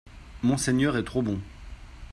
Monseigneur est trop bon